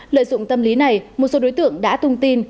lợi dụng tâm lý này một số đối tượng đã tung tin